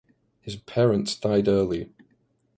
His parents died early.